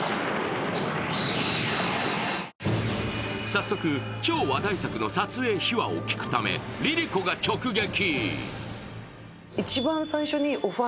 早速、超話題作の撮影秘話を聞くためＬｉＬｉＣｏが直撃。